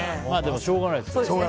しょうがないですね。